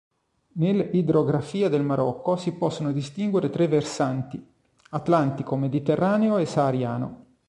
Nell'idrografia del Marocco si possono distinguere tre versanti: atlantico, mediterraneo e sahariano.